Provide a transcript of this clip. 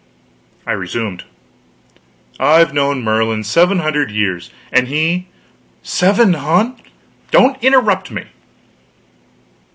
I resumed. "I've known Merlin seven hundred years, and he " "Seven hun " "Don't interrupt me.